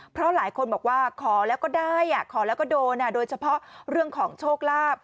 เพราะหลายคนบอกว่าขอแล้วก็ได้ขอแล้วก็โดนโดยเฉพาะเรื่องของโชคลาภ